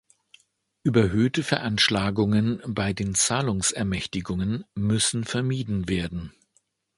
Überhöhte Veranschlagungen bei den Zahlungsermächtigungen müssen vermieden werden.